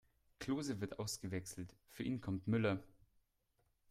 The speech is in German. Klose wird ausgewechselt, für ihn kommt Müller.